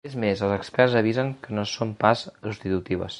És més, els experts avisen que no són pas substitutives.